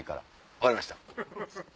分かりました。